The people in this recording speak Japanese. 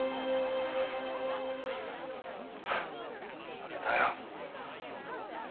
負けたよ。